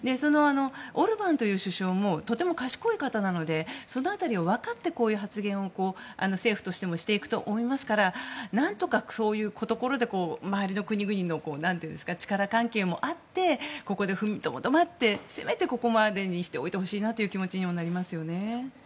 オルバン首相もとても賢い方なのでその辺りを分かって政府としても発言をしていくと思いますから何とかそういうところで周りの国々の力関係もあってここで踏みとどまってせめて、ここまでにしておいてほしいなという気持ちにもなりますよね。